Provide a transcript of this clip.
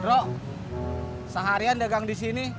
druk seharian dagang disini